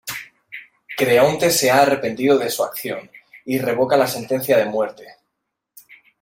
Creonte se ha arrepentido de su acción y revoca la sentencia de muerte.